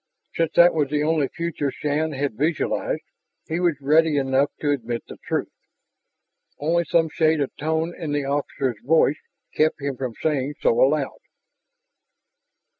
Since that was the only future Shann had visualized, he was ready enough to admit the truth, only some shade of tone in the officer's voice kept him from saying so aloud.